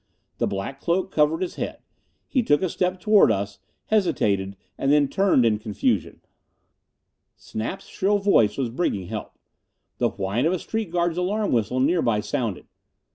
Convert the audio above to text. The black cloak covered his head. He took a step toward us, hesitated, and then turned in confusion. Snap's shrill voice was bringing help. The whine of a street guard's alarm whistle nearby sounded.